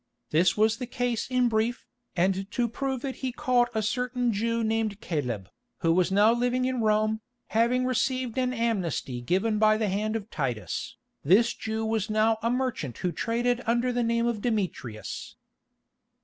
This was the case in brief, and to prove it he called a certain Jew named Caleb, who was now living in Rome, having received an amnesty given by the hand of Titus. This Jew was now a merchant who traded under the name of Demetrius.